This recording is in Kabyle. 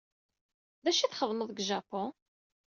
D acu ay txeddmeḍ deg Japun?